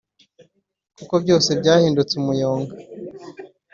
kuko byose byahindutse umuyonga